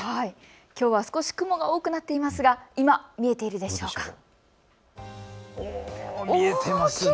きょうは少し雲が多くなっていますが今、見えているでしょうか。